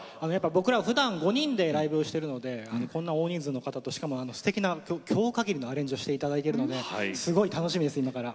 僕らふだん５人でライブをしてるのでこんな大人数の方としかもすてきな今日かぎりのアレンジをして頂けるのですごい楽しみです今から。